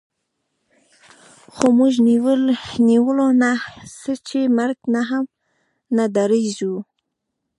خو موږ نیولو نه څه چې مرګ نه هم نه ډارېږو